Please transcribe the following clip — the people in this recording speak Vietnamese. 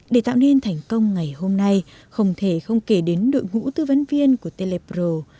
để tạo nên thành công ngày hôm nay không thể không kể đến đội ngũ tư vấn viên của telepro